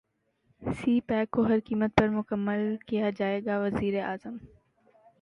سی pack کو ہر قیمت پر مکمل کیا جائے گا وزیراعظم